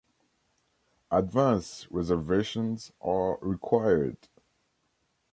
Advance reservations are required.